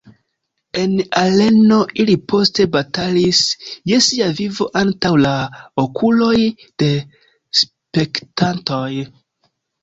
En areno ili poste batalis je sia vivo antaŭ la okuloj de spektantoj.